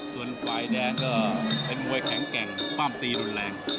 ส่วนฝ่ายแดงก็เป็นมวยแข็งแกร่งปั้มตีรุนแรง